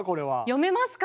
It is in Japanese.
読めますか？